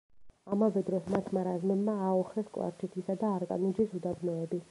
ამავე დროს, მათმა რაზმებმა ააოხრეს კლარჯეთისა და არტანუჯის უდაბნოები.